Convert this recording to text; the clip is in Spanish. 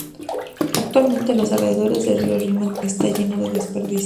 Actualmente, los alrededores del río Rimac está lleno de desperdicios.